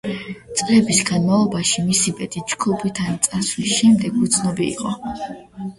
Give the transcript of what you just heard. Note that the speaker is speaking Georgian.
წლების განმავლობაში მისი ბედი, ჯგუფიდან წასვლის შემდეგ უცნობი იყო.